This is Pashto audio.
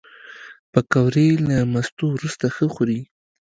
پکورې له مستو وروسته ښه خوري